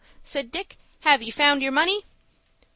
said Dick. "Have you found your money?"